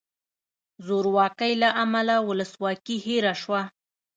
زورواکۍ له امله ولسواکي هیره شوه.